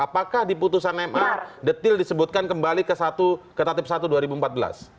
apakah di putusan ma detil disebutkan kembali ke tatip satu dua ribu empat belas